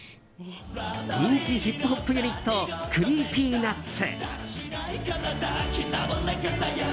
人気ヒップホップユニットＣｒｅｅｐｙＮｕｔｓ。